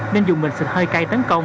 nên dùng mình xịt hơi cay tấn công